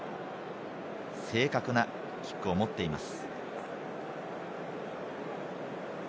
正確なキックを持っています。